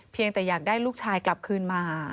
เพียงแต่อยากได้ลูกชายกลับคืนมา